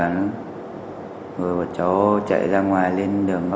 rồi một chó chạy ra ngoài lên đường góc tối